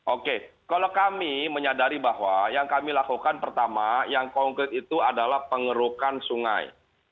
oke kalau kami menyadari bahwa yang kami lakukan pertama yang konkret itu adalah pengerukan sungai